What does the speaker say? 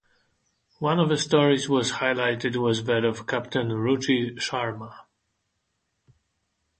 One of the stories was highlighted was that of Captain Ruchi Sharma.